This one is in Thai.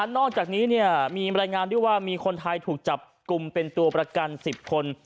นอกจากนี้มีรายงานด้วยว่ามีคนไทยถูกจับกลุ่มเป็นตัวประกัน๑๐คน